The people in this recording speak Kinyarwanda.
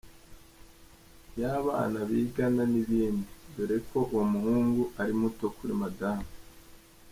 y’abana bigana n’ibindi , doreko uwo muhungu ari muto kuri madamu.